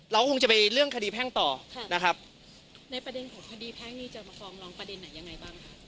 เราคงจะไปเรื่องคดีแพ่งต่อค่ะนะครับในประเด็นของคดีแพ่งนี้จะมาฟ้องร้องประเด็นไหนยังไงบ้างคะ